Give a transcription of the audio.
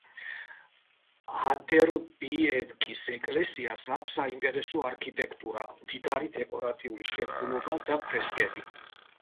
ადერბიევკის ეკლესიას აქვს საინტერესო არქიტექტურა, მდიდარი დეკორატიული შემკულობა და ფრესკები.